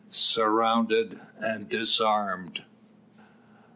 SURROUNDED AND DISARMED.